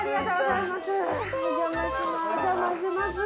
お邪魔します。